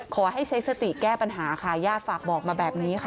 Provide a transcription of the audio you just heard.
ขอให้ใช้สติแก้ปัญหาค่ะญาติฝากบอกมาแบบนี้ค่ะ